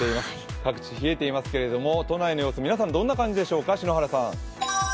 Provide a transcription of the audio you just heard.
各地、冷えてますけど都内の様子どんな感じでしょうか。